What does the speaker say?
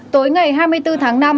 tối ngày hai mươi bốn tháng năm